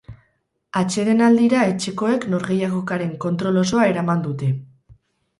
Atsedenaldira etxekoek norgehiagokaren kontrol osoa eraman dute.